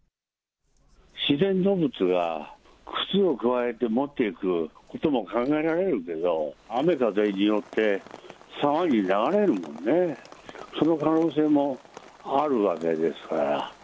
自然動物が靴をくわえて持っていくことも考えられるけど、雨風によって沢に流れるもんね、その可能性もあるわけですから。